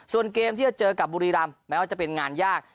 ส่วนเกมที่จะเจอกับบุรีรำแม้ว่าจะเป็นงานยาก